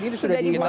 ini sudah dimasak